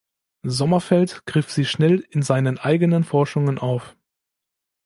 Sommerfeld griff sie schnell in seinen eigenen Forschungen auf.